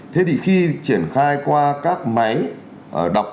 thế thì khi triển khai qua các máy đọc